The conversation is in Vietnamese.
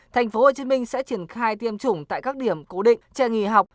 thành phố hồ chí minh sẽ triển khai tiêm chủng tại các điểm cố định trẻ nghỉ học